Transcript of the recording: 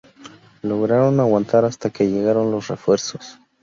Lograron aguantar hasta que llegaron los refuerzos.